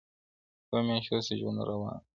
o يوه مياشت وروسته ژوند روان دی,